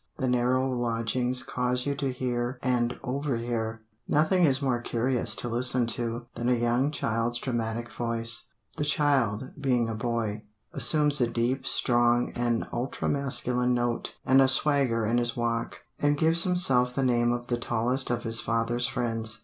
The narrow lodgings cause you to hear and overhear. Nothing is more curious to listen to than a young child's dramatic voice. The child, being a boy, assumes a deep, strong, and ultra masculine note, and a swagger in his walk, and gives himself the name of the tallest of his father's friends.